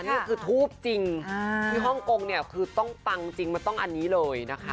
นี่คือทูบจริงที่ฮ่องกงเนี่ยคือต้องปังจริงมันต้องอันนี้เลยนะคะ